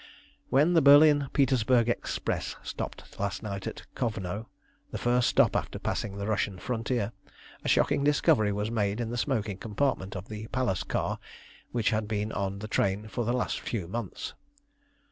When the Berlin Petersburg express stopped last night at Kovno, the first stop after passing the Russian frontier, a shocking discovery was made in the smoking compartment of the palace car which has been on the train for the last few months.